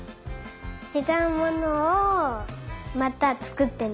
ちがうものをまたつくってみたい。